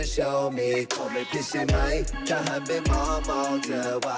ใช่ค่ะมองค่ะ